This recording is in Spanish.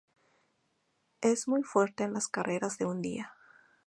Es muy fuerte en las carreras de un día.